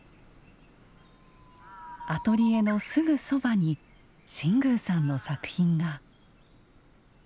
アトリエのすぐそばに新宮さんの作品が。